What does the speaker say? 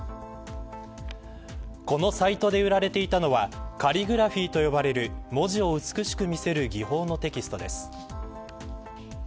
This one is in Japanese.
このサイトで売られていたのはカリグラフィーと呼ばれる文字を美しく見せる技法のテキストです。